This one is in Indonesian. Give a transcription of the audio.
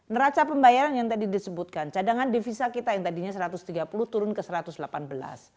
neraca pembayaran yang tadi disebutkan cadangan devisa kita yang tadinya satu ratus tiga puluh turun ke satu ratus delapan belas